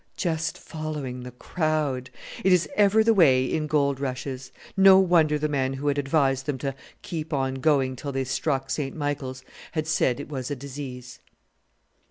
Just following the crowd! It is ever the way in gold rushes. No wonder the man who had advised them to "keep on going till they struck St. Michael's" had said it was a disease!